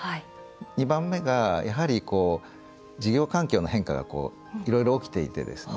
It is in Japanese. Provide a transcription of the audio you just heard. ２番目が、やはり事業環境の変化がいろいろ起きていてですね。